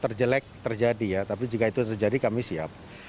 terjelek terjadi ya tapi jika itu terjadi kami siap